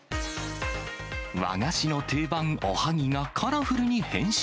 和菓子の定番、おはぎがカラフルに変身。